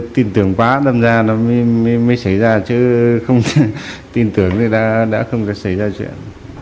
tin tưởng quá đâm ra nó mới xảy ra chứ tin tưởng thì đã không xảy ra chuyện